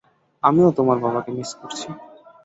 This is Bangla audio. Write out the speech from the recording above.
আমিও তোমার বাবাকে মিস করছি।